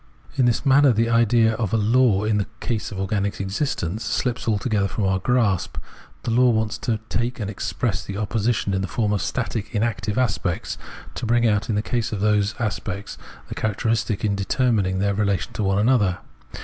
In this manner the idea of a law in the case of organic existence shps altogether from our grasp. The law wants to take and express the opposition in the form of static inactive aspects, and bring out in the case of those aspects the characteristic determining their relation to one another.